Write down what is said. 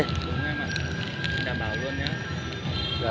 anh đảm bảo luôn nhá